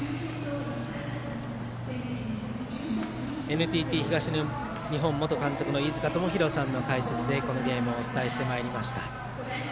ＮＴＴ東日本元監督の飯塚智広さんの解説でこのゲームをお伝えしてまいりました。